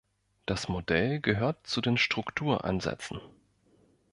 Das Modell gehört zu den Struktur-Ansätzen.